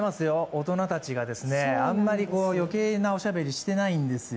大人たちが、あまり余計なおしゃべりしていないんですよ。